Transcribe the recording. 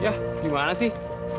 ya gimana sih